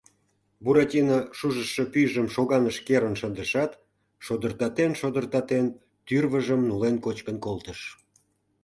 Буратино шужышо пӱйжым шоганыш керын шындышат, шодыртатен-шодыртатен, тӱрвыжым нулен кочкын колтыш.